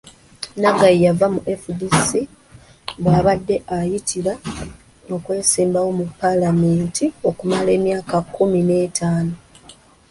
Naggayi yava mu FDC, mw'abadde ayitira okwesimbawo mu Paalamenti okumala emyaka kkumi n'etaano.